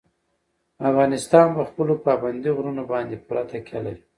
افغانستان په خپلو پابندي غرونو باندې پوره تکیه لري.